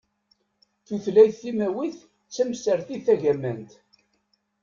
Tutlayt timawit d tamsertit tagamant.